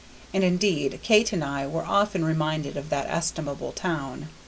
And, indeed, Kate and I were often reminded of that estimable town.